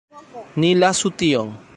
Ni lasu tion.